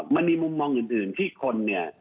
มันมีมุมมองอื่นที่คนเนี่ย